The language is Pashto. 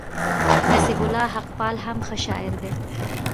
نصيب الله حقپال هم ښه شاعر دئ.